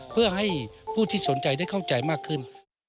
เพื่อให้ผู้ที่สนใจได้เข้าใจมากขึ้น